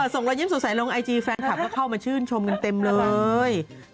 ส่งรอยยิ้มสดใสลงไอจีแฟนคลับก็เข้ามาชื่นชมกันเต็มเลย